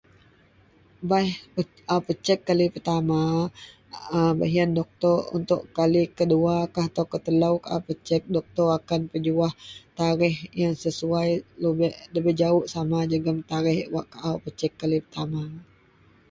baih a pecek kali pertama a baih ien doctor untuk kali keduakah kali keteloukah doctor akan pejuah tarikh yang sesuai luben debai jauh sama jegum tarikh wak kaau pecek kali pertama